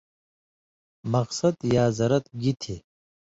مقصد یا زرَت گی تھی؟